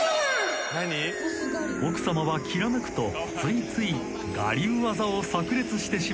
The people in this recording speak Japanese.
［奥様はきらめくとついつい我流技を炸裂してしまうのです］